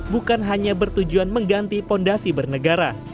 bukan hanya bertujuan mengganti fondasi bernegara